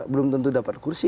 belum tentu dapat kursi